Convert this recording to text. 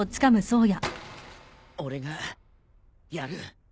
俺がやる。